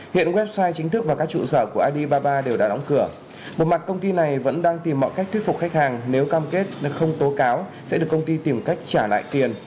hiện website chính thức và các trụ sở của alibaba đều đã đóng cửa bộ mặt công ty này vẫn đang tìm mọi cách thuyết phục khách hàng nếu cam kết không tố cáo sẽ được công ty tìm cách trả lại tiền